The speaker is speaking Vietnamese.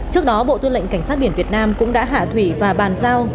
trước đó bộ tư lệnh cảnh sát biển việt nam cũng đã hạ thủy và bàn giao